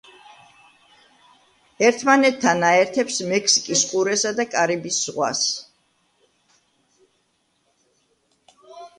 ერთმანეთთან აერთებს მექსიკის ყურესა და კარიბის ზღვას.